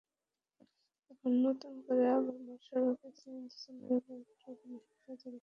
এখন নতুন করে আবার মহাসড়কে সিএনজিচালিত অটোরিকশা চলাচলের ওপর নিষেধাজ্ঞা জারি করা হলো।